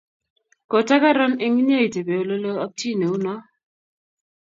kotakaran eng inyee itebe oleloo ak chii neu noo